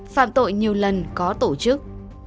phạm tội nhiều lần có tổ chức